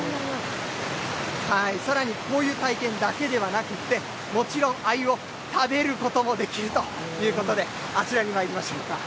さらに、こういう体験だけではなくって、もちろん、アユを食べることもできるということで、あちらに参りましょうか。